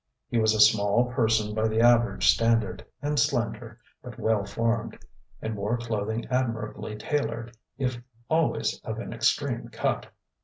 He was a small person by the average standard, and slender, but well formed, and wore clothing admirably tailored if always of an extreme cut.